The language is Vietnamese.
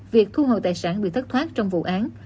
việc thu hồi tài sản bị thất thoát trong vụ án